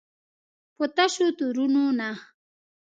په تشو تورونو نه.